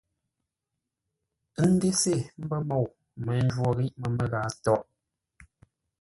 N ndese ə́ mbə́ môu, ə́ mə́ njwô ghíʼ məmə́ ghâa tôghʼ.